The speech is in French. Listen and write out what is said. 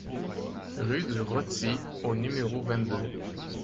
Rue du Roty au numéro vingt-deux